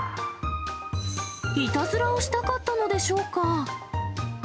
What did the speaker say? いたずらをしたかったのでしょうか。